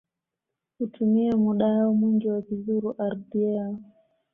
Hutumia muda wao mwingi wakizuru ardhi yao